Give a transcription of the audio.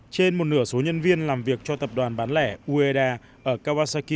trên một nửa số nhân viên làm việc cho tập đoàn bán lẻ ueda ở kawasaki